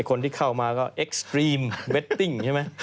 คนที่เข้ามาก็เอ็กซ์ตรีมเบตติ้งใช่ไหม